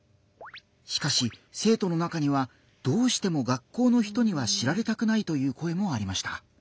しかし生徒の中には「どうしても学校の人には知られたくない」という声もありました。